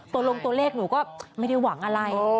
ลงตัวเลขหนูก็ไม่ได้หวังอะไร